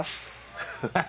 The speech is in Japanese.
ハハハ。